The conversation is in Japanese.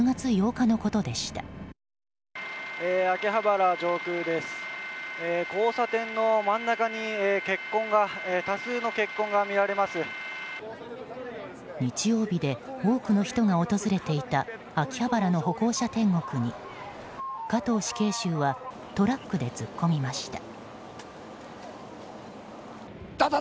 日曜日で多くの人が訪れていた秋葉原の歩行者天国に加藤死刑囚はトラックで突っ込みました。